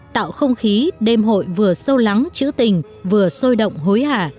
tạo không khí đêm hội vừa sâu lắng chữ tình vừa sôi động hối hả